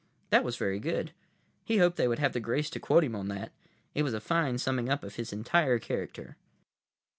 That was very good. He hoped they would have the grace to quote him on that. It was a fine summing up of his entire character.